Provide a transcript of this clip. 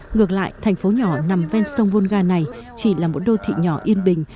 ngược lại thành phố nhỏ nằm ven sông volga này chỉ là một đô thị nhỏ yên bình